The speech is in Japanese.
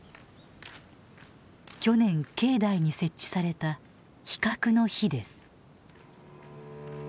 去年境内に設置された「非核の火」です。